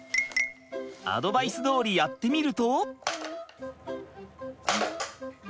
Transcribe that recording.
アドバイスどおりやってみると。